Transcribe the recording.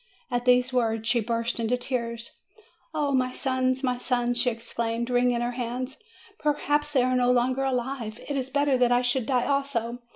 At these words she burst into tears. "O my sons! my sons!" she exclaimed, wringing her hands; "perhaps they are no longer alive! It is better that I should die also.